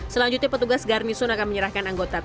selanjutnya petugas garnison akan menyerahkan anggota tni